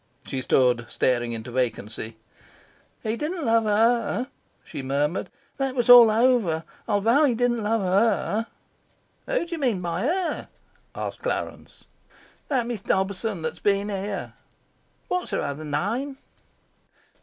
She stood staring into vacancy. "He didn't love HER," she murmured. "That was all over. I'll vow he didn't love HER." "Who d'you mean by her?" asked Clarence. "That Miss Dobson that's been here." "What's her other name?"